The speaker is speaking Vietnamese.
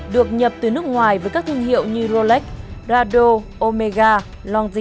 được nhập từ nước ngoài với các thương hiệu như rolex rado omega longzhin